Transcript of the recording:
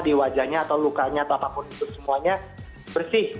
di wajahnya atau lukanya atau apapun itu semuanya bersih